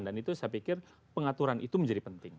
dan itu saya pikir pengaturan itu menjadi penting